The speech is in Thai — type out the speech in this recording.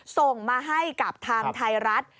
ส่งมาให้กับทางไทยรัฐ